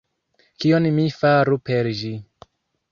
Kion mi faru per ĝi...